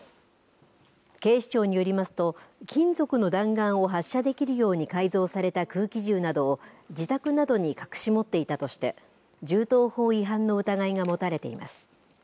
警視庁によりますと金属の弾丸を発射できるように改造された空気銃などを自宅などに隠し持っていたとして銃刀法違反の疑いが持たれています。